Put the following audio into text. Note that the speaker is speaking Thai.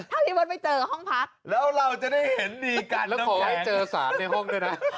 ถ้าพี่เบิร์ตไม่เจอห้องพักแล้วเราจะได้เห็นดีกันแล้วขอให้เจอสารในห้องด้วยนะ